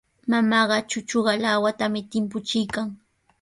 Mamaaqa chuchuqa lawatami timpuchiykan.